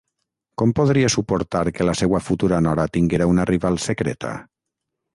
Com podia suportar que la seua futura nora tinguera una rival secreta?